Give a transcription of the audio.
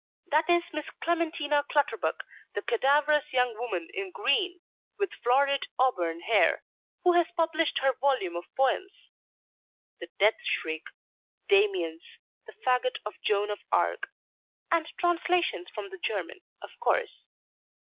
That is Miss Clementina Clutterbuck the cadaverous young woman in green, with florid auburn hair, who has published her volume of poems ['The Death Shriek;' 'Damiens;' 'The Faggot of Joan of Arc;' and 'Translations from the German' of course).